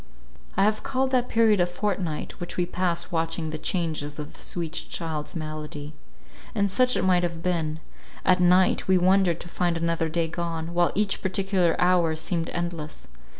I have called that period a fortnight, which we passed watching the changes of the sweet child's malady—and such it might have been—at night, we wondered to find another day gone, while each particular hour seemed endless.